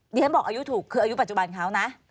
เรียนบอกอายุถูกคืออายุปัจจุบันเขานะ